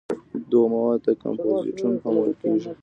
دغو موادو ته کمپوزېټونه هم ویل کېږي.